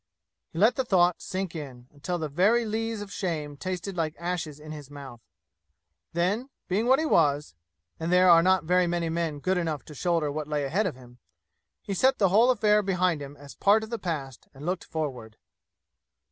He let the thought sink in, until the very lees of shame tasted like ashes in his mouth. Then, being what he was, and there are not very many men good enough to shoulder what lay ahead of him he set the whole affair behind him as part of the past and looked forward.